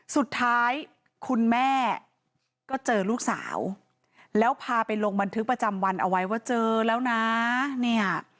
สุดท้ายคุณแม่ก็เจอลูกสาวแล้วพาไปลงบันทึกประจำวันเอาไว้ว่าเจอแล้วนะเนี่ย